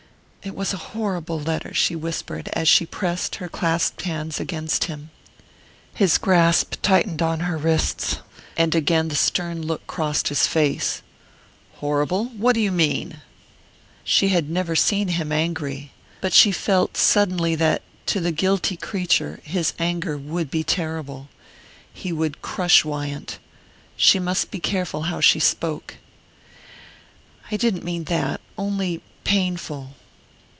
"It was a horrible letter " she whispered, as she pressed her clasped hands against him. His grasp tightened on her wrists, and again the stern look crossed his face. "Horrible? What do you mean?" She had never seen him angry but she felt suddenly that, to the guilty creature, his anger would be terrible. He would crush Wyant she must be careful how she spoke. "I didn't mean that only painful...."